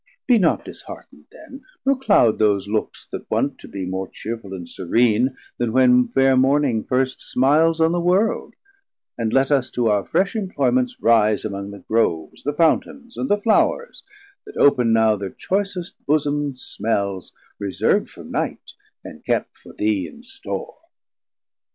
Be not disheart'nd then, nor cloud those looks That wont to be more chearful and serene Then when fair Morning first smiles on the World, And let us to our fresh imployments rise Among the Groves, the Fountains, and the Flours That open now thir choicest bosom'd smells Reservd from night, and kept for thee in store.